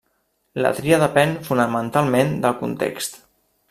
La tria depèn fonamentalment del context.